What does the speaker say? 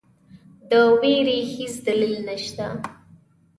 د وېرې هیڅ دلیل نسته.